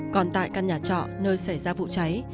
còn tại căn nhà trọ nơi xảy ra vụ cháy